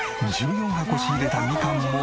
１４箱仕入れたみかんも。